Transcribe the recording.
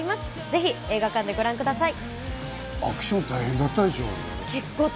ぜひ映画館でご覧ください。